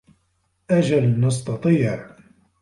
أجل نستطيع.